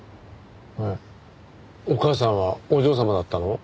へえお母さんはお嬢様だったの？